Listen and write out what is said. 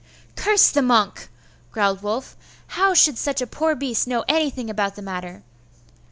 'Curse the monk!' growled Wulf. 'How should such a poor beast know anything about the matter?